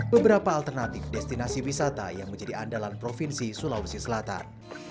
beberapa alternatif destinasi wisata yang menjadi andalan provinsi sulawesi selatan